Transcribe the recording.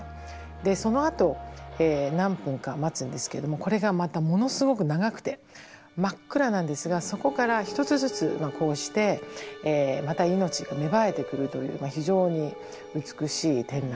でそのあと何分か待つんですけどもこれがまたものすごく長くて真っ暗なんですがそこから１つずつこうしてまた命が芽生えてくるという非常に美しい展示でした。